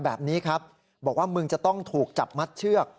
แบบนี้ครับบอกว่ามึงจะต้องถูกจับมัดเชือก